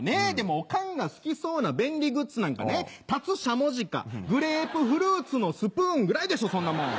でもオカンが好きそうな便利グッズなんかね立つしゃもじかグレープフルーツのスプーンぐらいでしょ。